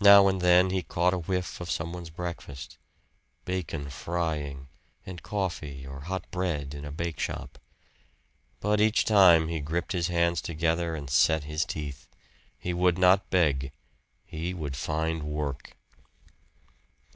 Now and then he caught a whiff of some one's breakfast bacon frying, and coffee or hot bread in a bake shop. But each time he gripped his hands together and set his teeth. He would not beg. He would find work.